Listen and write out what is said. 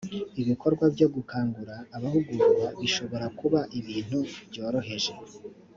ibikorwa byo gukangura abahugurwa bishobora kuba ibintu byoroheje